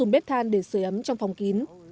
dùng bếp than để sửa ấm trong phòng kín